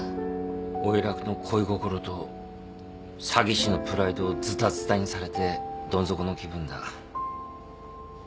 老いらくの恋心と詐欺師のプライドをズタズタにされてどん底の気分だ。